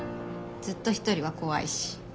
ずっと一人は怖いし。